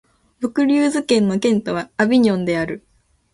ヴォクリューズ県の県都はアヴィニョンである